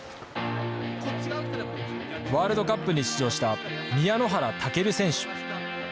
ワールドカップに出場した宮之原健選手。